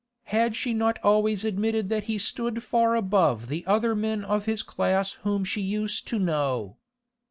Had she not always admitted that he stood far above the other men of his class whom she used to know?